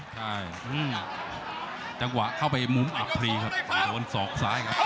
ใช่จังหวะเข้าไปมุมอับพลีครับโดนศอกซ้ายครับ